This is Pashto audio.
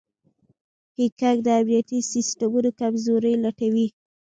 هیکنګ د امنیتي سیسټمونو کمزورۍ لټوي.